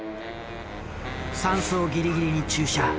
山荘ギリギリに駐車。